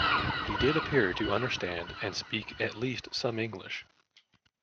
He did appear to understand and speak at least some English.